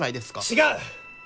違う！